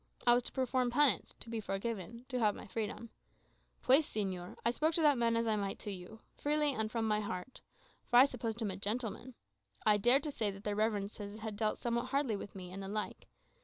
I was to perform penance; to be forgiven; to have my freedom. Pues, señor, I spoke to that man as I might to you, freely and from my heart. For I supposed him a gentleman. I dared to say that their reverences had dealt somewhat hardly with me, and the like.